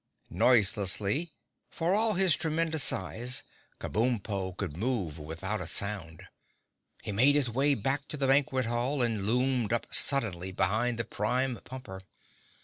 Noiselessly (for all his tremendous size, Kabumpo could move without a sound) he made his way back to the banquet hall and loomed up suddenly behind the Prime Pumper.